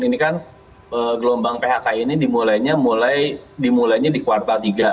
ini kan gelombang phk ini dimulainya di kuartal tiga